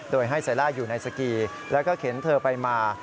โดยให้เซล่าอยู่ในสกีแล้วก็เข็นเธอไปมา